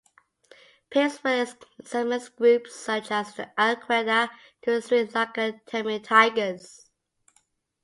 Pape's work examines groups such as the Al-Qaeda to the Sri Lankan Tamil Tigers.